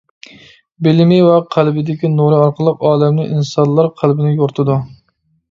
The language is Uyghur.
بىلىمى ۋە قەلبىدىكى نۇرى ئارقىلىق ئالەمنى، ئىنسانلار قەلبىنى يورۇتىدۇ.